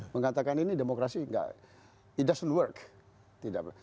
mengatakan ini demokrasi tidak berhasil